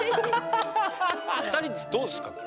２人どうですか？